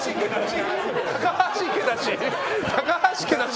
高橋家だし。